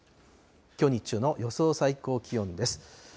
きょう日中の予想最高気温です。